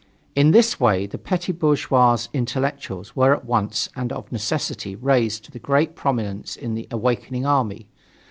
In this way, the petty bourgeois intellectuals were at once and of necessity raised to great prominence in the awakening army.